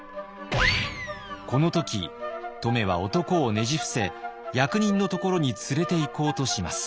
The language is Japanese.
この時乙女は男をねじ伏せ役人のところに連れていこうとします。